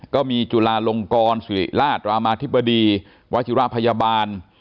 ก็มีจุฬาลงกรสุริราชรามาธิบดีวัชยุราชพยาบาล